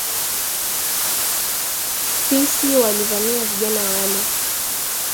Fisi walivamia vijana wale